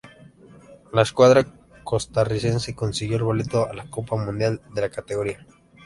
La escuadra costarricense consiguió el boleto a la Copa Mundial de la categoría.